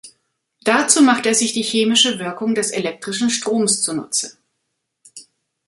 Dazu macht er sich die chemische Wirkung des elektrischen Stroms zunutze.